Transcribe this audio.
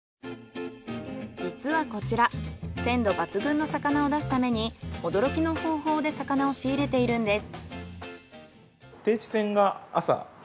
実はこちら鮮度抜群の魚を出すために驚きの方法で魚を仕入れているんです。